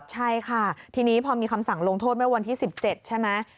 ใช่ค่ะพอมีคำสั่งโลงโทษในวันที่๑๗ใช่ไหม